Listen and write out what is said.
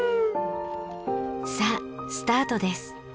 さあスタートです。